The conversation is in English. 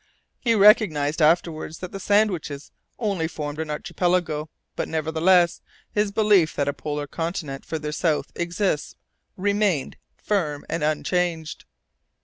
He recognized afterwards that the Sandwiches only formed an Archipelago, but, nevertheless, his belief that a polar continent farther south exists, remained firm and unchanged."